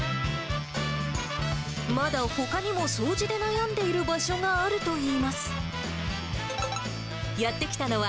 まだほかにも掃除で悩んでいる場所があるといいます。